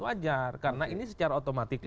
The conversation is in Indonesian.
wajar karena ini secara otomatis